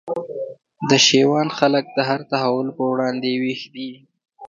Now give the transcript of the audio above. د شېوان خلک د هر تحول پر وړاندي ویښ دي